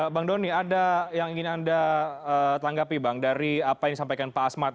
bang doni ada yang ingin anda tanggapi bang dari apa yang disampaikan pak asmat